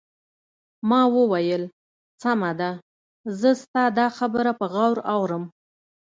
ما وویل: سمه ده، زه ستا دا خبره په غور اورم.